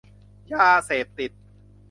ยาเสพติด